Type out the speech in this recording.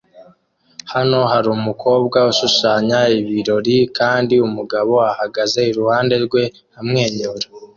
Hano harumukobwa ushushanya ibirori kandi umugabo ahagaze iruhande rwe amwenyura